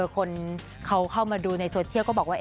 คนเขาเข้ามาดูในโซเชียลก็บอกว่า